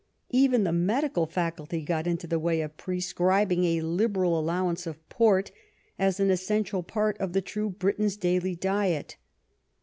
Even the medical faculty got into the way of prescribing a liberal aUowance of port as an essential part of the true Briton's daily diet.